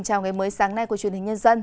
chào ngày mới sáng nay của truyền hình nhân dân